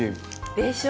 でしょ！